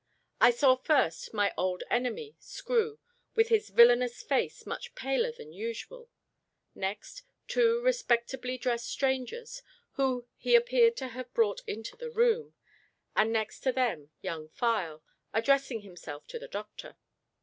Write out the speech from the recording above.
I saw first my old enemy, Screw, with his villainous face much paler than usual; next, two respectably dressed strangers whom he appeared to have brought into the room; and next to them Young File, addressing himself to the doctor.